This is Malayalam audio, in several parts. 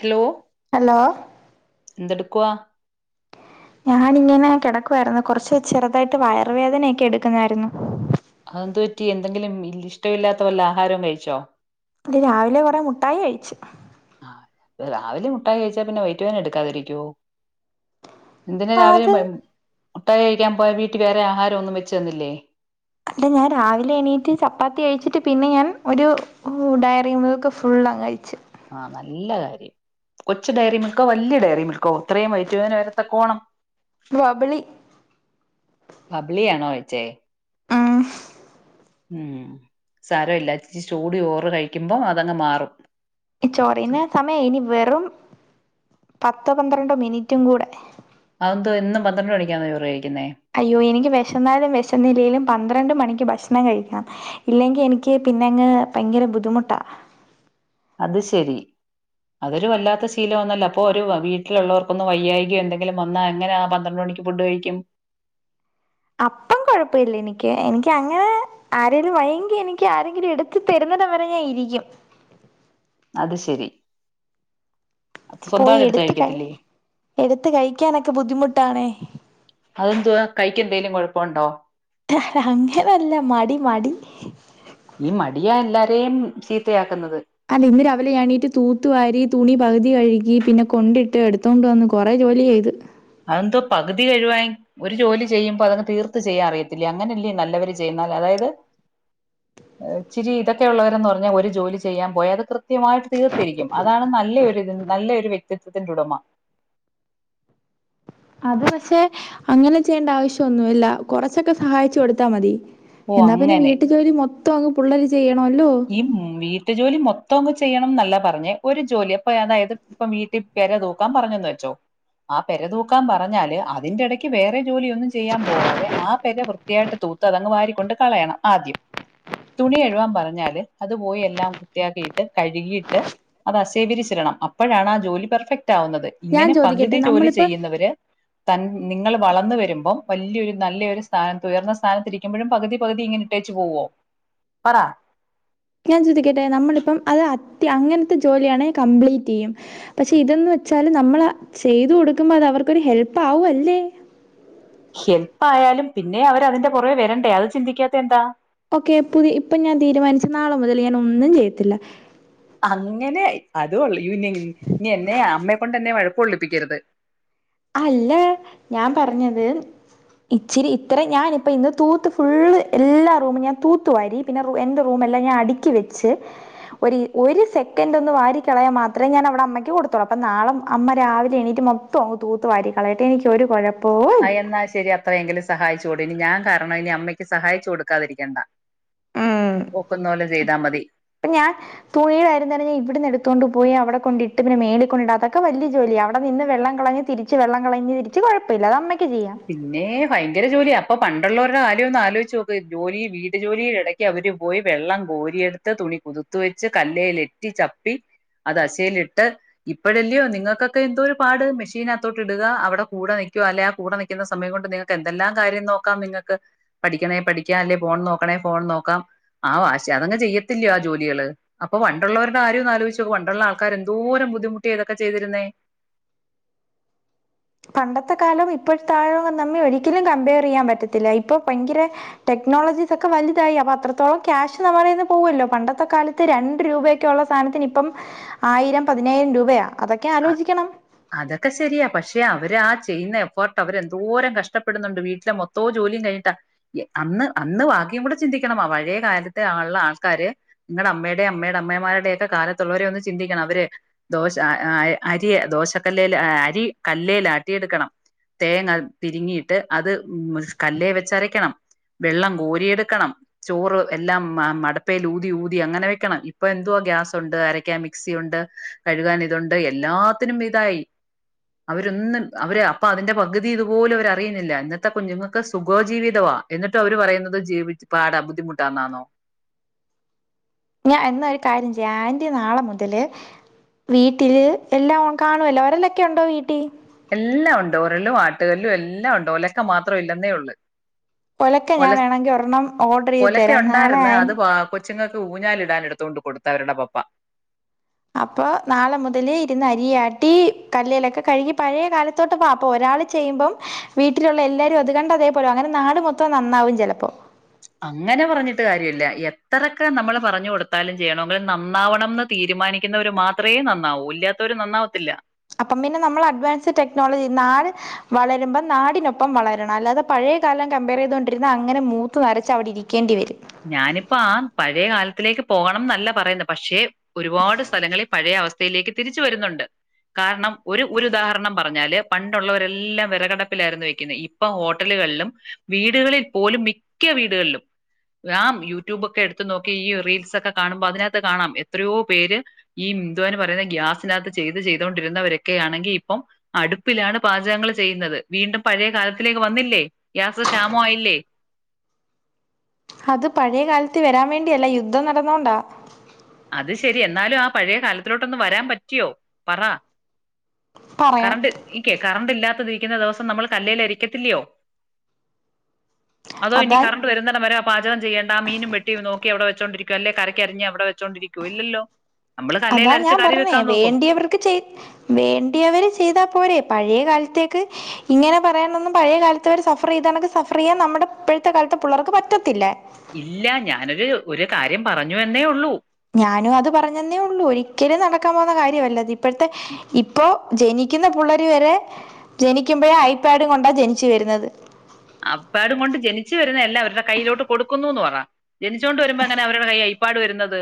ഹലോ ഹലോ എന്തെടുക് ആഹ് ഞാനിങ്ങനെ കിടക്കുവായിരുന്നു കൊറച്ച് ചെറുതായിട്ട് വയറ് വേദനയൊക്കെ എടുക്കുന്നായിരുന്നു അതെന്ത് പറ്റി എന്തെങ്കിലും ഇ ഇഷ്ടമില്ലാത്ത വല്ല ആഹാരവും കഴിച്ചോ? അല്ല രാവിലെ കുറെ മുട്ടായി കഴിച്ചു ആഹ് രാവിലെ മുഠായി കഴിച്ചാ പിന്നെ വെറ്റ് വേന എടുക്കാതിരിക്കുവോ എന്തിനാ രാവിലെ അത് ബ മുട്ടായി കഴിക്കാൻ പോയാ വീട്ടിൽ വേറെ ആഹാരം ഒന്നും വെച്ച് തന്നില്ലേ? അല്ല ഞാൻ രാവിലെ എണീറ്റ് ചപ്പാത്തി കഴിച്ചിട്ട് പിന്നെ ഞാൻ ഒരു ഡയറിമിൽക്ക് ഫുള്ളങ്ങു കഴിച്ചു ആഹ നല്ല കാര്യം കൊച്ച് ഡയറി മൽക്ക വല്യ ഡയറി മിൽ ത്രയും വയറ്റുവേന വരത്തക്കോണം ബബിളി ബബ്ളിയാണോ കഴിച്ചേ? ഉം ഉം സാരമില്ല ഇച്ചിരി ചൂട് ചോറു കഴിക്കുമ്പോ അതങ്ങ് മാറും ഈ ചോറിന്ന ചോ- സമയം ഇനി വെറും പത്തോ പന്ത്രണ്ടോ മിനിറ്റും കൂടെ അന്ത് ഇന്നും പന്ത്രണ്ട് മണിക്കാന്നോ ചോർ അയ്യോ എനിക്ക് വിശെന്നാലും വിശന്നില്ലേലും പന്ത്രണ്ട് മണിക്ക് ഭക്ഷണം ഭഷണം കഴിക്കണംഇല്ലെങ്കിൽ എനിക്ക് പിന്നെങ്ങ് ഭയങ്കര ബുദ്ധിമുട്ടാ അത് ശെരി അതൊരു വല്ലാത്ത ശീലം ആന്നല്ല അപ്പൊ ഒരു വീട്ടിലുള്ളവർക്കൊന്ന് വയ്യായികയോ എന്തെങ്കിലും വന്നാ എങ്ങനെ ആ പന്ത്രണ്ട് മണിക്ക് ഫുഡ് കഴിക്കും? അപ്പം കൊഴപ്പമില്ല എനിക്ക് എനിക്ക് അങ്ങനെ ആരെങ്കിലും വൈയ്യങ്കി എനിക്ക് ആരെങ്കിലും എടുത്ത് തരുന്നിടം വരെ ഞാൻ ഇരിക്കും അത് ശരി അത് പോയി സ്വന്തമായിട്ട് എടുത്ത് ക കഴിക്കത്തില്ലേ എടുത്ത് കഴിക്കാനൊക്കെ ബുദ്ധിമുട്ടാണേ ഇപ്പ ഉണ്ടോ? അങ്ങനല്ല മടി മടി ഈ മടിയാ എല്ലാരെയും ചീത്തയാക്കുന്നത് ഇന്ന് രാവിലെ എണീട്ട് തൂത്തുവാരി തുണി പകുതി കഴുകി പിന്നെ കൊണ്ടിട്ട് എടുത്തോണ്ട് വന്ന് കൊറെേ ജോലി ചെയ്ത് അതെന്തോ പകുതി കഴുവാൻ ഒരു ജോലി ചെയ്യുമ്പോ അതങ്ങ് തീർത്ത് ചെയ്യാൻ അറിയത്തില്ലേ അങ്ങനെല്ലേ നല്ലവര് ചെയ്യുന്ന അതായത് ഇച്ചിരി ഇതൊക്കെള്ളവരന്ന് പറഞ്ഞാൽ ഒരു ജോലി ചെയ്യാൻ പോയി അത് കൃത്യമായിട്ട് തീർത്തിരിക്കും അതാണ് നല്ല ഒരു നല്ല ഒരു വ്യക്തിത്വത്തിന്റെ ഉടമ അത് പക്ഷെ അങ്ങനെ ചെയ്യേണ്ട ആവശ്യൊന്നുമല്ല കൊറച്ചൊക്കെ സഹായിച്ചു കൊടുത്താൽ മതി ഓ എന്നാ പിന്നെ അങ്ങനെ വീട്ട ജോലി മൊ ത്തങ്ങ് പുള്ളേര് ചെയ്യണം ഈ വീട്ടു ജോലി മൊ ത്തങ്ങ് ചെയ്യണം എന്നല്ല പറഞ്ഞേ ഒരു ജോലി അപ്പൊ അതായത് ഇപ്പൊ വീട്ടിൽ പെര തൂക്കാൻ പറഞ്ഞെന്ന് വെച്ചോ ആ പര തൂക്കാൻ പറഞ്ഞാല് അതിന്റെ ഇടയ്ക്ക് വേറെ ജോലിയ ഒന്നും ചെയ്യാൻ പോകാതെ ആ പര വൃത്തിയായിട്ട് തൂത്ത് അതങ്ങ് വാരിക്കൊണ്ട് കളയണം ആദ്യം തുണി എഴുവാൻ പറഞ്ഞാല് ത് അത് പോയി എല്ലാം കൃത്യാക്കിയിട്ട് കഴുകിയിട്ട് അത് അസേവിരിച്ചിരണം അപ്പോഴാണ് ആ ജോലി പെർഫെക്റ്റ് റ്റവ്ന്നത് ഞാൻ ഇങ്ങനെ പകുതി ചോദിക്കട്ടെ ജോലി നമ്മളിപ്പോ ചെയ്യുന്നവര് തൻ നിങ്ങൾ വളർന്നു വരുമ്പം വലിയൊരു നല്ലൊരു സ്ഥാനത്ത് ഉയർന്ന സ്ഥാനത്ഇരിക്കുമ്പോഴും പകുതി പകുതി ഇങ്ങനെ ഇട്ടേച് പോവോ പറ ഞാൻ ചോദിക്കട്ടെ നമ്മളിപ്പം അത് അത് അങ്ങനത്തെ ജോലിയാണെ കംപ്ലീറ്റ് ചെയ്യും പക്ഷെ ഇതന്ന് വെച്ചാല് നമ്മൾ ചെയ്തു കൊടുക്കുമ്പോ അത് അവർക്കൊരു ഹെല്പ്പ് ആവ് അല്ലേ ഹെൽപ്പ് ആയാലും പിന്നെ അവർ അതിന്റെ പുറവേ വരണ്ടേ അത് ചിന്തിക്കാത്ത എന്താ ഓക്കെ പുതിയ ഇപ്പം ഞാൻ തീരുമാനിച്ച നാളെ മുതൽ ഞാൻ ഒന്നും ചെയ്യത്തില്ല അങ്ങനെ അത് കൊള്ളി നീ എന്നെ അമ്മയക്കൊണ്ട്ന്നെ വഴക് കൊള്ളിപ്പിക്കരുത് അല്ല ഞാൻ പറഞ്ഞത് ഇച്ചിരി ഇത്ര ഞാനിപ്പ ഇന്ന് തൂത്ത് ഫുള്ള് എല്ലാ റൂമും ഞാൻ തൂത്തു വാരി പിന്നെ എന്റെ റൂമ എല്ലാം ഞാൻ അടുക്കി വെച്ച് ഒരു ഒരു സെക്കൻ് ഒന്ന് വാരി കളയാൻ മാത്രമേ ഞാൻ അവിടെ അമ്മയ്ക്ക് കൊടുത്തോളൂ അപ്പൊ നാളെ അമ്മ രാവിലെ എണീറ്റ് മൊത്തം തൂത്ത് വരികളയട്ടെ എനിക്ക് ഒരു കൊഴ എന്നാൽ ശരി അത്രയെങ്കിലും സഹായിച്ച ഇതോടെ ഇനി ഞാൻ കാരണം ഇനി അമ്മയ്ക്ക് സഹായിച്ചു കൊടുക്കാതിരിക്കേണ്ട ഉം മതി ഇപ്പ ഞാൻ തുണിയിലായിന്നഞ്ഞ ഇവിടന്ന് എടുത്തോണ്ടു പോയി അവിടെ കൊണ്ടിട്ട് പിന്നെ മേളിക്കൊണ്ടിതക അത്തൊക്കെ വലിയ ജോലിയാ അവിടെ നിന്ന് വെള്ളം കളഞ്ഞഞ് തിരിച്ച് വെള്ളം കളഞ്ഞഞ് തിരിച്ച് കുഴമില്ല അത് അമ്മ പിന്നേ ഭയങ്കര ജോലിയാ അപ്പൊ പണ്ടുള്ളവരുടെ കാര്യമൊന്ന് ആലോചിച്ച് നോക്ക് ജോലി വീട് ജോലീടെ ഇടക്ക് അവര് പോയി വെള്ളം കോരിയെടുത്ത് തുണി കുതുത്ത് വെച്ച് കലേൽ ഇട്ട് ചപ്പി അത് അശയിലിട്ട് ഇപ്പഴല്ലയോ നിങ്ങൾക്കൊക്കെ എന്തോ ഒരു പാട് മിഷീനകത്തോട്ട് ഇടുക അവിടെ കൂടെ നിൽക്കുക അല്ലെ ആ കൂടെ ന ക്കുന്ന സമയം കൊണ്ട് നിങ്ങൾക്ക് എന്തെല്ലാം കാര്യം നോക്കാം നിങ്ങൾക്ക് പഠിക്കണേ പഠിക്കാം അല്ലെ ഫോൺ നോക്കണേ ഫോൺ നോക്കാം ആ വാശി അതങ്ങ് ചെയ്യത്തില്ലയോ ആ ജോലികള് അപ്പൊ വണ്ടുള്ളവരുടെ കാര്യം ഒന്ന് ആലോചിച്ച് നോക്ക് വണ്ടുള്ള ആൾക്കാര് എന്തോരം ബുദ്ധിമുട്ടി ഇതൊക്കെ ചെയ്തിരുന്നേ പണ്ടത്തെ കാലം ഇപ്പോഴത്താഴം തമ്മിൽ ഒരിക്കലും കമ്പയർ ചെയ്യാൻ പറ്റത്തില്ല ഇപ്പൊ ഭയങ്കര ടെക്നോളജീസ് ഒക്കെ വലുതായി അപ്പൊ അത്രത്തോളം ക്യാഷ് നമ്മടെ കയീന് പോവല്ലോ പണ്ടത്തെ കാലത്ത് രണ്ട് രൂപയൊക്കെ ഉള്ള സാധനത്തിന് ഇപ്പം ആയിരം പതിനായിരം രൂപയാ അതൊക്കെ ആലോചിക്കണം അതൊക്കെ ശരിയാ പക് അവർ ആ ചെയ്യുന്ന എഫോർട്ട് അവരെന്തോരം കഷ്ടപ്പെടുന്നുണ്ട് വീട്ടിലെ മൊത്തവും ജോലിയും കഴിഞ്ഞിട്ടാ അന്ന് അന്ന് ബാക്കിയും കൂടെ ചിന്തിക്കണം പഴയ കാലത്തെ ആള്ള ആൾക്കാര് നിങ്ങളുടെ അമ്മയുടെയും അമ്മയുടെ അമ്മമാരുടെയോക്കെ കാലത്തുള്ളവരെ ഒന്ന് ചിന്തിക്കണം അവര് ദോശ ആ അരിയ് ദോശക്കല്ലേൽ അരി കല്ലേലാട്ടിയെടുക്കണം തേങ്ങ തിരിങ്ങിയിട്ട് അത് കല്ലേവെച്ചരക്കണം വെള്ളം കോരിയെടുക്കണം ചോറ് എല്ലാം മടപ്പേൽ ഊതി ഊതി അങ്ങനെ വെക്കണം ഇപ്പൊ എന്തുവാ ഗ്യാസ് ഉണ്ട് അരയ്ക്കാൻ മിക്സി ഉണ്ട് കഴുകാൻ ഇതുണ്ട് എല്ലാത്തിനും ഇതായി അവരൊന്നും അവർ അപ്പൊ അതിന്റെ പകുതി ഇതുപോലും അവർ അറിയുന്നില്ല ഇന്നത്തെ കുഞ്ഞുങ്ങൾക്ക് സുഖജീവിതവാ എന്നിട്ട് അവർ പറയുന്നത് ജീവിച്ച് പാടാ ബുദ്ധിമുട്ടാന്നാണോ ഞാൻ എന്നാ ഒരു കാര്യം ചെയ്യാ ആന്റി നാളെ മുതല് വീട്ടില് എല്ലാം കാണുവല്ലോ ഒരെലോക്കെ ഉണ്ടോ വീട്ടിൽ എല്ലാം ഉണ്ട് ഒരലും ആട്ട് കല്ലും എല്ലാം ഉണ്ട് ഒലക്ക മാത്രം ഇല്ലെന്നേ ഉള്ളു ഒലക്ക ഞാൻ വേണമെങ്കിൽ ഒരെണ്ണം ഓർഡർ ചെയ്ത് ഒലക്ക തരാം നാളെ ഉണ്ടായിരുന്ന് ആൻ അത് കൊച്ചുങ്ങൾക്ക് ഊഞ്ഞാലിടാൻ എടുതോണ്ട് കൊടുത്ത് അവരുടെ പപ്പ അപ്പൊ നാളെ മുതൽ ഇരുന്ന് അരിയാട്ടി കല്ലേലൊക്കെ കഴുകി പഴയ കാലത്തോട്ട് വാ അപ്പം ഒരാള് ചെയ്യുമ്പം വീട്ടിലുള്ള എല്ലാരും അത് കണ്ട് അതേപോലെ അങ്ങനെ നാട് മൊത്തം നന്നാവും ചിലപ്പോ അങ്ങനെ പറഞ്ഞിട്ട് കാര്യമില്ല എത്രൊക്കെ നമ്മള് പറഞ്ഞു കൊടുത്താലും ചെയ്യണമെങ്കിൽ നന്നാവണം തീരുമാനിക്കുന്നവർ മാത്രമേ നന്നാവൂ ഇല്ലാത്തവർ നന്നാവത്തില്ല അപ്പം പിന്നെ നമ്മൾ അഡ്വാൻസ് ടെക്നോളജി നാട് വളരുമ്പം നാടിനൊപ്പം വളരണം അല്ലാതെ പഴയകാലം കമ്പയർ ചെയ്തൊണ്ടിരുന്ന അങ്ങനെ മൂത്ത് നരച്ച് അവിടെ ഇരിക്കേണ്ടി വരും ഞാനിപ്പം ആ പഴയ കാലത്തിലേക്ക് പോകണം എന്നല്ല പറയുന്നത് പക്ഷേ ഒരുപാട് സ്ഥലങ്ങളിൽ പഴയ അവ തിലേക്ക് തിരിച്ചു വരുന്നുണ്ട് കാരണം ഒര് ഒരു ഉദാഹരണം പറഞ്ഞാല് പണ്ടുള്ളവരെല്ലാം വിറകടപ്പിലായിരുന്നു വെക്കുന്നത് ഇപ്പൊ ഹോട്ടലുകളിലും വീടുകളിൽ പോലും മിക്ക വീടുകളിലും ആ യൂട്യൂബൊക്കെ എടുത്ത നോക്കി ഈ റീൽസ് ഒക്കെ കാണുമ്പോ അതിനകത്ത് കാണാം എത്രയോ പേര് ഈ മിന്ദുവാൻ പറയുന്ന ഗ്യാസിനകത്ത് ചെയ്ത് ചെയ്തൊണ്ടിരുന്നവരൊക്കെ ആണെങ്കി ഇപ്പം അടുപ്പിലാണ് പാചകങ്ങൾ ചെയ്യുന്നത് വീണ്ടും പഴയ കാലത്തിലേക്ക് വന്നില്ലേ ഗ്യാസ് ക്ഷാമം ആയില്ലേ അത് പഴയകാലത്ത് വരാൻ വേണ്ടിയല്ല യുദ്ധം നടന്നോണ്ടാ അത് ശരി എന്നാലും ആ പഴയ കാലത്തിലോട്ടൊന്ന് വരാൻ പറ്റിയോ പറ പറയാം കറണ്ട് ഇകെ കറണ്ട് ഇല്ലാത്തത് നിക്കുന്ന ദിവസം നമ്മൾ കല്ലേലരിക്കത്തില്ലയോ അതോ ഇനി അതാ കറണ്ട് വരുന്നടം വരെ ആ പാചകം ചെയ്യേണ്ട ആ മീനും വെട്ടി നോക്കി അവിടെ വെ ച്ചോണ്ടിരിക്കുവല്ലെ കറിക്ക് അരിഞ്ഞ് അവിടെ വെച്ചോണ്ടിരിക്കുവേ ഇല്ലല്ലോ നമ്മള് അതാ കല്ലേലരച്ച് ഞാൻ കറി പറഞ്ഞേ വെക്കാൻ നോക്കും വേണ്ടിയവർക്ക് ചെയ് വേണ്ടിയവര് ചെയ്താ പോരെ പഴയ കാല ത്തേക്ക് ഇങ്ങനെ പറയാനൊന്നും പഴയ കാലത്ത് അവർ സഫർ ചെയ്താണക്ക് സഫർ ചെയ്യാൻ നമ്മുടെ ഇപ്പഴത്ത കാലത്തെ പിള്ളേർക്ക് പറ്റത്തില്ല ഇല്ല ഞാനൊരു ഒരു കാര്യം പറഞ്ഞുവനേ ഉള്ളൂ ഞാനും അത് പറഞ്ഞന്നേ ഉള്ളൂ ഒരിക്കലും നടക്കാൻ പോകുന്ന കാര്യല്ലത് ഇപ്പഴത്തെ ഇപ്പോ ജനിക്കുന്ന പുള്ളാര് വരെ ജനിക്കുമ്പഴേ ഐപാഡും കൊണ്ടാ ജനിച്ചു വരുന്നത് അപ്പാടും കൊണ്ട് ജനിച്ചു വരുന്നയല്ലാ അവരുടെ കയ്യിലോട്ട് കൊടുക്കുന്നുന്ന് പറ ജനിച്ചു കൊണ്ട് വരുമ്പോ എങ്ങനെ അവരുടെ കൈ ഐപ്പാട് വരുന്നത്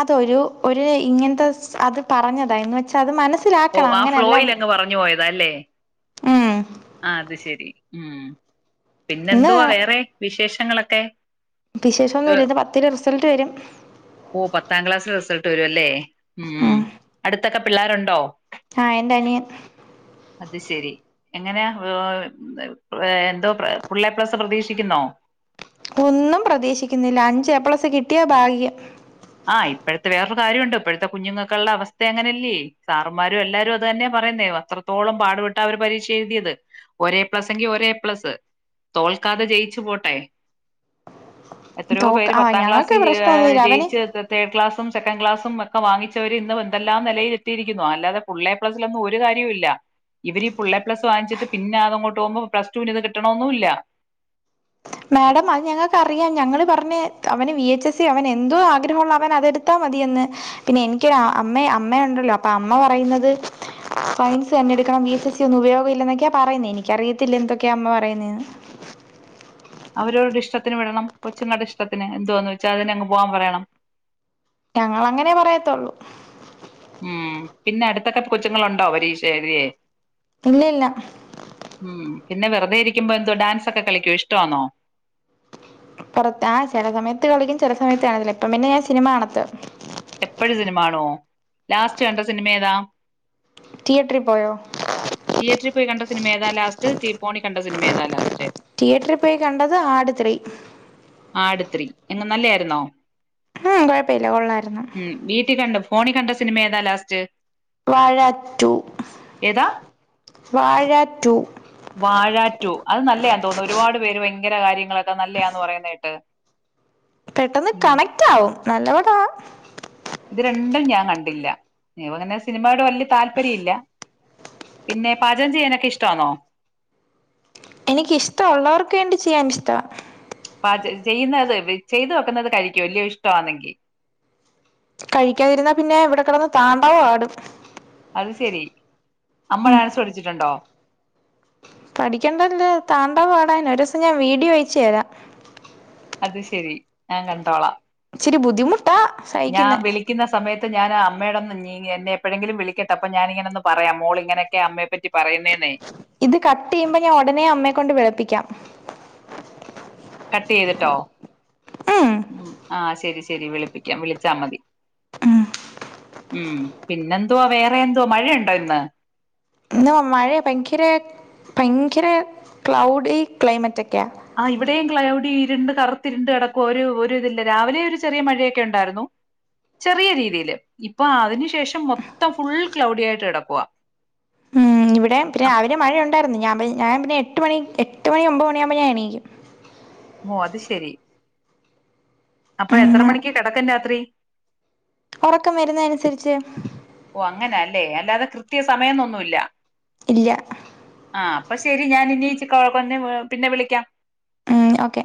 അത ഒരു ഒരു ഇങ്ങനത്തെ അത് പറഞ്ഞതാ എന്ന് വെച്ചാൽ അത് മനസ് ഓ ആ ഫ്ലോയിലങ്ങ് പറഞ്ഞു പോയതാല്ലേ ഉം ആ അത് ശരി ഉം ഇന്ന് പിന്നെന്തുവാ വേറെ വിശേഷങ്ങളെ ക്കെ വിശേഷമൊന്നുമില്ല [unintelligible] ഇന്ന് പത്തില് റിസൾട്ട് വരും ഓ പത്താം ക്ലാസ്സില് റിസൾട്ട് വരുല്ലേ ഉം അടുത്തൊക്കെ പിള്ളേരുണ്ടോ ആഹ എന്റെനിയൻ അത് ശെരി എങ്ങനാ എന്തോ പുള്ളെ എപ്ലസ് പ്രതീക്ഷിക്കുന്നോ ഒന്നും പ്രതീശിക്കുന്നില്ല അഞ്ച് ഏപ്പ്ളസ് കിട്ടിയാ ഭാഗ്യം ആ ഇപ്പോഴത്തെ വേറൊരു കാര്യം ഒണ്ട് ഇപ്പോഴത്തെ കുഞ്ഞുങ്ങക്കുളള അവസ്ഥ അങ്ങനെയല്ലേ സാറുമാരും എല്ലാരും അത് തന്നെ പറയുന്നേ അത്രത്തോളം പാടുപെട്ട്. അവര് പരീക്ഷ എഴുതിയത് ഒരേ പ്ലസ് എങ്കി ഒരേ പ്ലസ് തോൽക്കാതെ ജയിച്ചു പോട്ടെ എത്രയോ പേര് തോക്ക ആഹ് പത്താം ഞങ്ങൾക്ക് ക്ലാസ്സിൽ പ്രശ്ന ഒന്നുല്ല അവന് ജയിച്ച് തേർഡ് ക്ലാസും സെക്കൻഡ് ക്ലാസും ഒക്കെ വാങ്ങിച്ചവര് ഇന്നും എന്തെല്ലാം നിലയിൽ എത്തിയിരിക്കുന്നോ അല്ലാതെ പുള്ളെ പ്ലസ്സിലൊന്നും ഒരു കാര്യ ഇല്ല ഇവര്ഈ പുള്ളള്ളേ പ്ലസ് വാങ്ങിച്ചിട്ട് പിന്നെ അതങ്ങോട്ട് പോകുമ്പോ പ്ലസ് ടുവിന് ഇത് കിട്ടണൊന്നും ഇല്ല മാഡം അത് ഞങ്ങൾക്ക് അറിയാം ഞങ്ങള്പറഞ്ഞ് അവന് വിഎച്ച്എസ് സി അവൻ എന്തോ ആഗ്രഹള്ള അവൻ അതെടുത്താ മതിയന്ന് പിന്നെ എനിക്കൊരു അമ്മ അമ്മയ ഉണ്ടല്ലോ അപ്പൊ അമ്മ പറയുന്നത് സയൻസ് തന്നെ എടുക്കണം വി എച്ച് എസ് സി ഒന്നും ഉപയോഗ ഇല്ല എന്നൊക്കെയാ പറയുന്നേ എനിക്കറിയത്തില്ല എന്തൊക്കെയാ അമ്മ പറയുന്നേന്ന് അവരോവടെ ഇഷ്ടത്തിന് വിടണം കൊച്ചുങ്ങളുടെ ഇഷ്ടത്തിന് എന്തോന്ന് വെച്ചാ അതിന് അങ്ങ് പോകാൻ പറയണം ഞങ്ങള് അങ്ങനെ പറയത്തേള്ളൂ ഉം പിന്നെ അടുത്തൊക്കെ ക കൊച്ചുങ്ങളുണ്ടോ പരീക്ഷഴുതിയേ ഇല്ലല്ല പിന്നെ വെറുതെ ഇരിക്കുമ്പോ എന്തോ ഡാൻസ് ഒക്കെ കളിക്കെ ഇഷ്ടമാന്നോ പുറത്ത് ആ ചെല സമയത്ത് കളിക്കും ചെല സമയത്ത് കാണത്തില്ല ഇപ്പ പിന്നെ ഞാൻ സിനിമ കാണത്ത എപ്പഴും സിനിമ കാണോ ലാസ്റ്റ് കണ്ട സിനിമ ഏതാ റ്റിയറ്ററി പോയോ സിനിമേതാലാസ്റ്റ് തീ പോണി കണ്ട സിനിമേതാലാസ്റ്റ് റ്റിയേറ്ററിൽ പോയി കണ്ടത് ആട് ത്രീ ആട് ത്രീ എങ്ങ നല്ലായിരുന്നോ ആഹ കൊഴപ്പ ല്ല കൊള്ളായിരുന്നു ഫോണി കണ്ട സിനിമ ഏതാ ലാസ്റ്റ് വാഴ ടു ഏതാ വാഴ ടു. വാഴ ടു അത് നല്ലയാന്ന് തോന്നുന്നു, ഒരുപാട് പേരെ ഭയങ്കര കാര്യങ്ങളൊക്കെ നല്ലതാന്ന് പറയുന്നത് കേട്ട്. പെട്ടെന്ന് ഉം കണക്റ്റ് ആവും. നല്ല പാടവാ. ഇത് രണ്ടും ഞാൻ കണ്ടില്ല, നീ പറയുന്ന സിനിമടെ വലിയ താല്പര്യയില്ല, പിന്നെ പാചകം ചെയ്യാനൊക്കെ ഇഷ്ടമാന്നോ? എനിക്ക് ഇഷ്ടയുള്ളവർക്ക് വേണ്ടി ചെയ്യാൻ ഇഷ്ട. ആഹ് ചെയ്യുന്നത് ചെയ്തു വെക്കുന്നത് കഴിക്കും വലിയ ഇഷ്ടമാണെങ്കിൽ. കഴിക്കാതിരുന്നാ പിന്നെ ഇവിടെ കിടന്ന് താണ്ഡവാടും. അത് ശരി അമ്മ ഡാൻസ് പഠിച്ചിട്ടുണ്ടോ. പഠിക്കേണ്ട ഇല്ല താണ്ഡവം ആടാൻ ഒരു ദിവസം ഞാൻ വീഡിയോ അയച്ച് തരാം. അത് ശരി ഞാൻ കണ്ടോളാം. ഇച്ചിരി ബുദ്ധിമുട്ടാ സഹിക്കുന്നേ ഞാൻഅമ്മോടൊന്ന് നീ എന്നെ എപ്പോഴെങ്കിലും വിളിക്കട്ടെ അപ്പൊ ഞാനിങ്ങനൊന്ന് പറയാം മോൾ ഇങ്ങനെയൊക്കയാ അമ്മയെ പറ്റി പറയുന്നതെന്ന് ഇത് കട്ട് ചെയ്യുമ്പോ ഞാൻ ഉടനെ അമ്മയെ കൊണ്ട്‌ വിളിപ്പിക്കാം കട്ട് ചെയ്തിട്ടോ ഉം ആ ശരി ശരി ശരി വിളിപ്പിക്കാം വിളിച്ചാ മതി ഉം പിന്നെന്തുവാ വേറെന്തുവാ മഴയുണ്ടോ ഇന്ന് പിന്നോ മഴയെ ഭയങ്കരെ ഭയങ്കരെക്ലൗഡി ക്ലൈമറ്റ്ക്കെ ആ ഇവിടെയും ക്ലൗഡി ണ്ട് കറുത്തിരുണ്ട്ക്കിടക്കുവാ ഒരു ഒരു ഇതില്ല രാവിലെ ഒരു മഴയെക്കെ ഉ ണ്ടായിരുന്നു ചെറിയ രീതിയിൽ ഇപ്പോ അതിനുശേഷം മൊത്തം ഫുള്ള് ക്ലൗഡിയായിട്ട് കിടക്കുവാ ഉം ഇവിടെയും അപ് രാവിലെ മഴ ഉണ്ടായിരുന്നു ഞാൻ ഞാൻ പിന്നെ എട്ട് മണി എട്ട് മണി ഒമ്പത് മണിയാകുമ്പോ ഞാൻ എണീക്കും ഓ അത് ശരി അപ്പൊ എത്ര ഉം മണിക്ക് കിടക്കും രാത്രി ഉറക്കം വരുന്ന അനുസരിച്ച് ഓ അങ്ങനെ അല്ലേ അല്ലാതെ കൃത്യ സമയോന്നൊന്നു ഇല്ല. ഇല്ല ആ അപ്പൊ ശരി ഞാൻ ഇനി ഇച്ചി കഴി പിന്നെ വിളിക്കാം ഉം ഓക്കെ